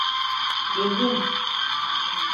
Gözüm!